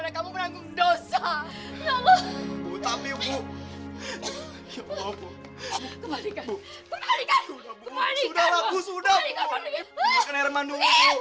ibu bangun bu